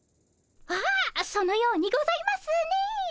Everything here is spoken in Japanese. ああそのようにございますね。